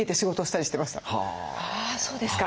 あそうですか。